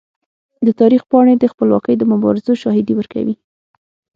د تاریخ پاڼې د خپلواکۍ د مبارزو شاهدي ورکوي.